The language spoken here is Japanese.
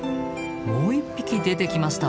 もう一匹出てきました。